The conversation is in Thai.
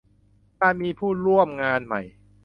การมีผู้ร่วมงานใหม่